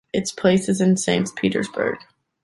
Its place is in Saint Petersburg.